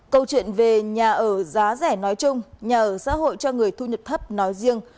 câu chuyện về nhà ở giá rẻ nói chung nhà ở xã hội cho người thu nhập thấp nói riêng